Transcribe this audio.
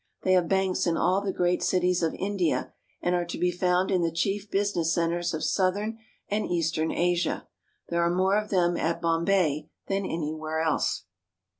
They have banks in all the great cities of India ; and are to be found in the chief business centers of southern and eastern Asia. There are more of them at Bombay than anywhere else.